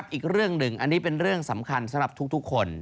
อีกเรื่องหนึ่งอันนี้เป็นเรื่องสำคัญสำหรับทุกคน